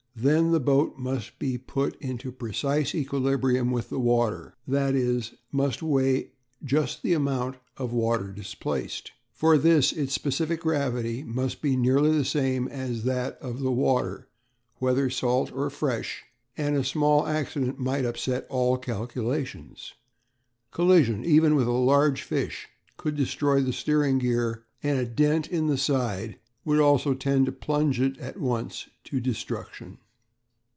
Then the boat must be put into precise equilibrium with the water i.e. must weigh just the amount of water displaced. For this its specific gravity must be nearly the same as that of the water (whether salt or fresh), and a small accident might upset all calculations. Collision, even with a large fish, could destroy the steering gear, and a dent in the side would also tend to plunge it at once to destruction.